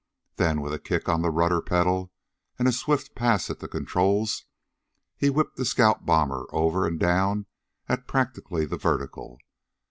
Then, with a kick on the rudder pedal and a swift pass at the controls, he whipped the scout bomber over and down at practically the vertical.